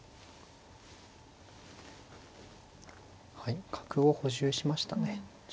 はい角を補充しましたね。